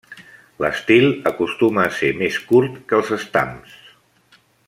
L'estil acostuma a ser més curt que els estams.